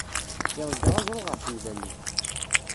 Iḍegger aẓru ɣer temda-nni.